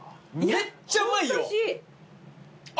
めっちゃうまいわ。